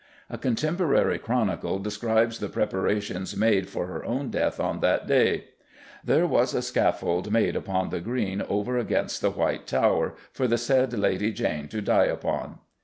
A contemporary chronicle describes the preparations made for her own death on that day: "There was a Scaffolde made upon the grene over against the White Tower for the saide Lady Jane to die upon."